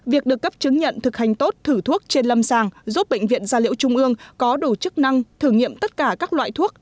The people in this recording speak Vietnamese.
việc được cấp chứng nhận thực hành tốt thử thuốc trên lâm sàng giúp bệnh viện gia liễu trung ương có đủ chức năng thử nghiệm tất cả các loại thuốc